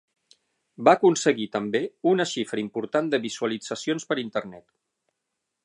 Va aconseguir també una xifra important de visualitzacions per Internet.